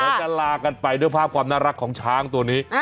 จะลากันไปด้วยภาพความน่ารักของช้างตัวนี้